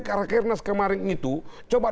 karakternya kemarin itu coba